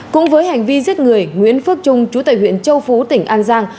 cũng với hành vi giết người nguyễn phước trung chủ tịch huyện châu phú tỉnh an giang